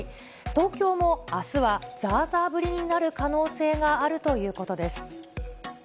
東京もあすは、ざーざー降りになる可能性があるということです。